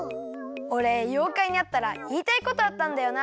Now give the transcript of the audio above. おれようかいにあったらいいたいことあったんだよな。